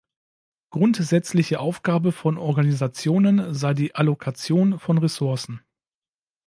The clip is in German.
Grundsätzliche Aufgabe von Organisationen sei die Allokation von Ressourcen.